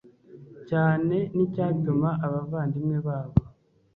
cyane n icyatuma abavandimwe babo